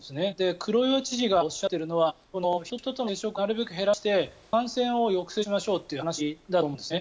黒岩知事がおっしゃっているのは人と人との接触をなるべく減らして感染を抑制しましょうという話だと思うんですね。